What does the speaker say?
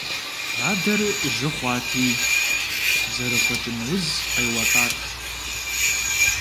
Адэр жьы хъуати зэрылӀыкӀын уз къеуэлӀат.